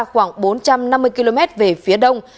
khoảng bốn trăm năm mươi km về phía đông